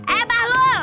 eh pak lul